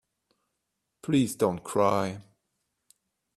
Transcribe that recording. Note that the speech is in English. Please don't cry.